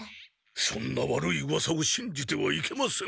そんな悪いうわさをしんじてはいけません。